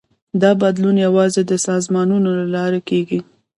دا بدلون یوازې د سازمانونو له لارې کېږي.